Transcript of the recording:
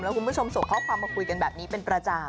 คุณผู้ชมส่งข้อความมาคุยกันแบบนี้เป็นประจำ